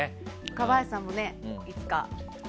若林さんもね、いつか。